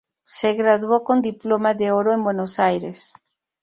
Se graduó con diploma de oro en Buenos Aires.